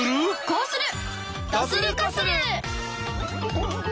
こうする！